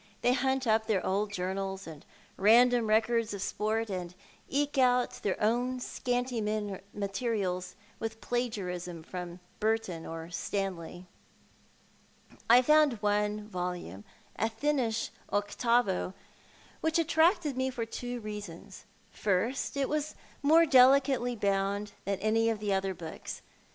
They hunt up their old journals and random records of sport, and eke out their own scanty materials with plagiarism from Burton or Stanley. 1 found one volume — a thinnish octavo — which attracted me for two reasons. Firstly, it was more delicately bound than aay of the other books.